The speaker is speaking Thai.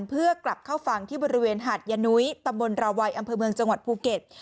เพื่อกลับเข้าฝั่งที่บริเวณหาดยานุ้ยตำบลราวัยอำเภอเมืองจังหวัดภูเก็ต